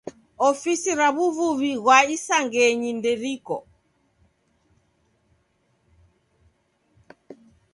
Ofisi ra w'uvuvi ra isangenyi nderiko.